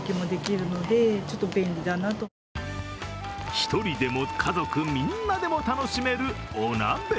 １人でも家族みんなでも楽しめるお鍋。